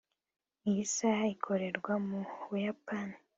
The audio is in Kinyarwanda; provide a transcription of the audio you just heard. iyi saha ikorerwa mu buyapani